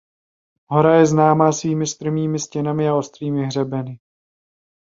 Hora je známá svými strmými stěnami a ostrými hřebeny.